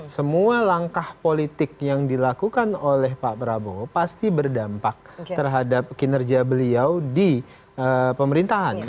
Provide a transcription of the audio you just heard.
semua langkah politik yang dilakukan oleh pak prabowo pasti berdampak terhadap kinerja beliau di pemerintahan